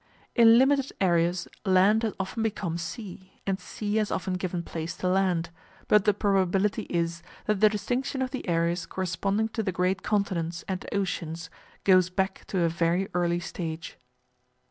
In limited areas land has often become sea, and sea has often given place to land, but the probability is that the distinction of the areas corresponding to the great continents and oceans goes back to a very early stage.